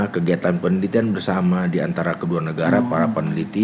kegiatan penelitian bersama diantara kedua negara para peneliti